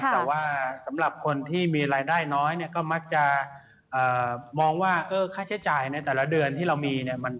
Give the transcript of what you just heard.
แต่ว่าสำหรับคนที่มีรายได้น้อยเนี่ยก็มักจะมองว่าค่าใช้จ่ายในแต่ละเดือนที่เรามีเนี่ย